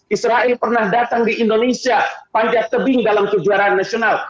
israel pernah datang di indonesia panjat tebing dalam kejuaraan nasional